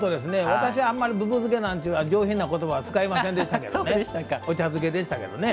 私、あんまりぶぶ漬けなんていう上品なことば使いませんでしたね。